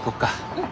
うん！